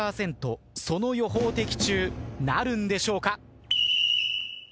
その予報的中なるんでしょうか。